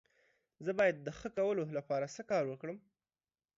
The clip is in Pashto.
زه باید د ښه کولو لپاره څه کار وکړم؟